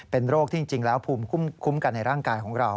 เป็นโรคที่จริงแล้วภูมิคุ้มกันในร่างกายของเรา